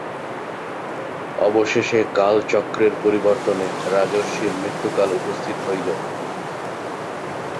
অবশেষে কালচক্রের পরিবর্তনে রাজর্ষির মৃত্যুকাল উপস্থিত হইল।